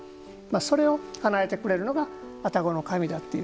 それをかなえてくれるのが愛宕の神だという。